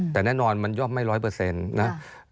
แต่แน่นอนมันย่อมไม่ร้อยเปอร์เซ็นต์นะ